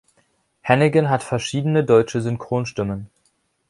Hannigan hat verschiedene deutsche Synchronstimmen.